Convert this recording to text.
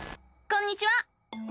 こんにちは！